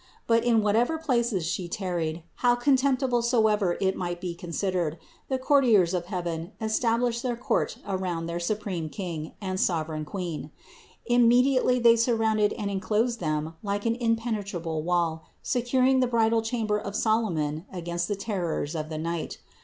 But in whatever places She tarried, how con temptible soever it might be considered, the courtiers of heaven established their court around their supreme King and sovereign Queen. Immediately they surrounded and enclosed them like an impenetrable wall, securing the bridal chamber of Solomon against the terrors of the night.